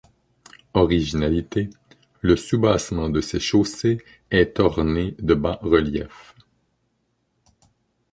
Originalité, le soubassement de ces chaussées est orné de bas-reliefs.